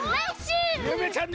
ゆめちゃん